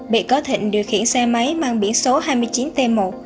bị cáo thịnh điều khiển xe máy mang biển số hai mươi chín t một